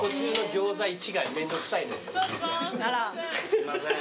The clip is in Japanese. すいません。